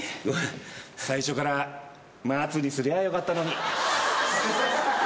最初から松にすりゃよかったのに。